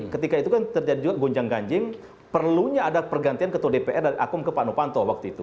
ketika itu kan terjadi juga gonjang ganjing perlunya ada pergantian ketua dpr dari akum ke pak nopanto waktu itu